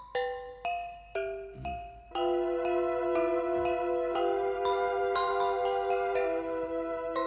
besok kita ubah wajah kadipati forsythia